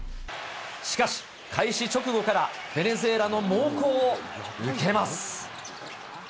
しかし、開始直後から、ベネズエラの猛攻を受けます。